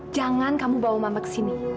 jangan kamu bawa mamba ke sini